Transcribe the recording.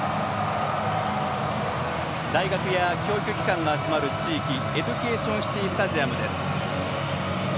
大学や教育機関の集まる地域エデュケーション・シティスタジアムです。